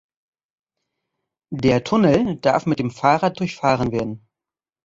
Der Tunnel darf mit dem Fahrrad durchfahren werden.